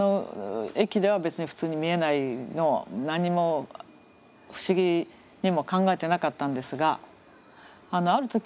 駅では別に普通に見えないのを何も不思議にも考えてなかったんですがある時